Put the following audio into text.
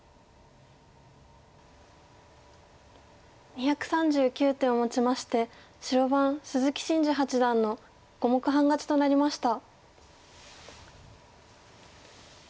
２３９手をもちまして白番鈴木伸二八段の５目半勝ちとなりました。